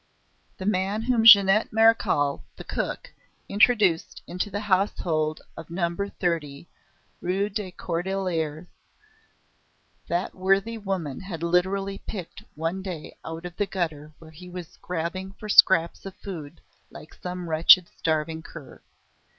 The man whom Jeannette Marechal, the cook, introduced into the household of No. 30, Rue des Cordeliers, that worthy woman had literally picked one day out of the gutter where he was grabbing for scraps of food like some wretched starving cur.